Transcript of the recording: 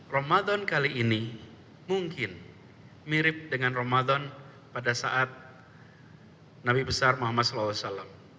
ramadan kali ini mungkin mirip dengan ramadan pada saat nabi besar muhammad saw